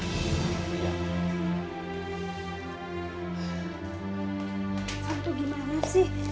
tuhan itu gimana sih